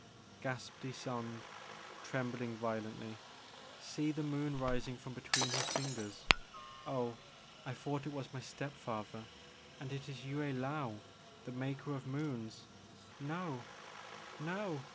gasped Ysonde, trembling vio lently, '* see the moon rising from between his fingers ! Oh I thought it was my step father and it is Yue I^aou the Maker of Moons — no ! no